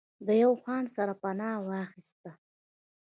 د يو خان سره پناه واخسته